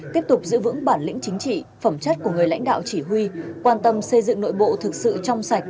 tiếp tục giữ vững bản lĩnh chính trị phẩm chất của người lãnh đạo chỉ huy quan tâm xây dựng nội bộ thực sự trong sạch